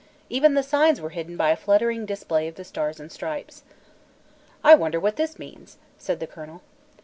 Even the signs were hidden by a fluttering display of the Stars and Stripes. "I wonder what this means?" said the colonel.